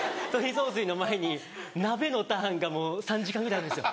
雑炊の前に鍋のターンがもう３時間ぐらいあるんですよ。